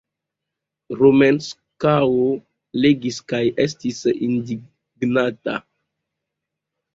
Romeskaŭ legis kaj estis indignata.